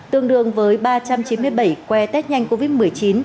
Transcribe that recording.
tương đương với ba trăm chín mươi bảy que test nhanh covid một mươi chín